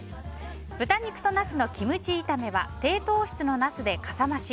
豚肉とナスのキムチ炒めは低糖質のナスでかさ増し。